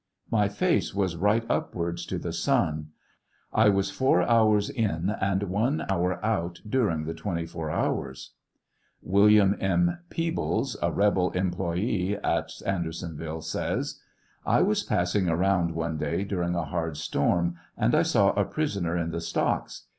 My face was right upwards to the sun. I was four hours in and one hour out during the 24 hours. William M. Peebles, a rebel employ^ at Andersonviile, says : I was passing around one day during a hard storm, and I saw a prisoner in the stocks.